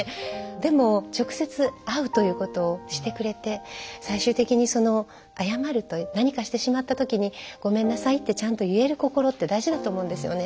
でも直接会うということをしてくれて最終的に謝るという何かしてしまった時にごめんなさいってちゃんと言える心って大事だと思うんですよね。